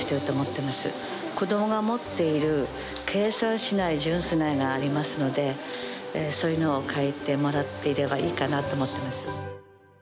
子供が持っている計算しない純粋な絵がありますのでそういうのを描いてもらっていればいいかなと思ってます。